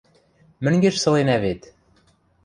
Мӹнгеш сыленӓ вет.